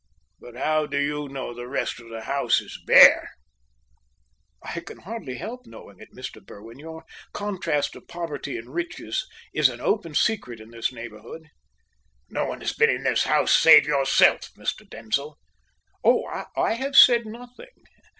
But how do you know the rest of this house is bare?" "I can hardly help knowing it, Mr. Berwin. Your contrast of poverty and riches is an open secret in this neighbourhood." "No one has been in my house save yourself, Mr. Denzil." "Oh, I have said nothing.